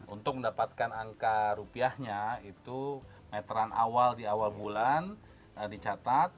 untuk mendapatkan angka rupiahnya itu meteran awal di awal bulan dicatat